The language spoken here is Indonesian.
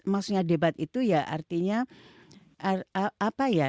maksudnya debat itu ya artinya